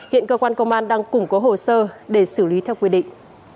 hiện cơ quan công an đang củng cố hồ sơ để xử lý theo quy định